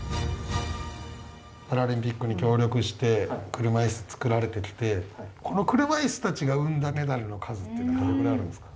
パラリンピックに協力して車いす作られてきてこの車いすたちが生んだメダルの数っていうのはどれぐらいあるんですか？